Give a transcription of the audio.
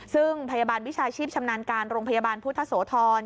ซึ่งพยาบาลวิชาชีพชำนาญการโรงพยาบาลพุทธโสธร